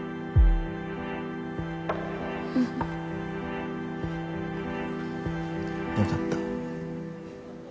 うん。よかった。